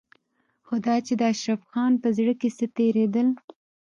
خو دا چې د اشرف خان په زړه کې څه تېرېدل.